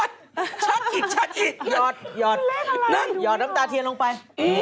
ได้ยอดน้ำตาเทียงลงไป